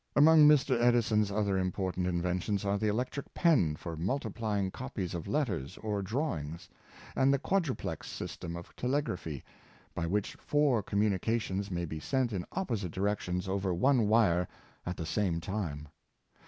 Among Mr. Edison's other impor tant inventions are the electric pen for multiplying copies of letters or drawings, and the quadruplex sys tem of telegraphy by which four communications may be sent in opposite directions over one wire at the same time.